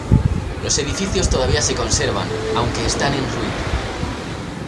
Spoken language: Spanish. Los edificios todavía se conservan, aunque están en ruina.